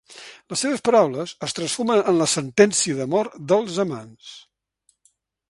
Les seves paraules es transformen en la sentència de mort dels amants.